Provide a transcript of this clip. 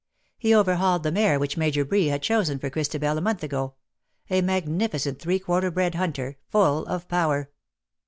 He overhauled the mare which Major Bree had chosen for Christabel a month ago — a magnificent three quarter bred hunter, full of power.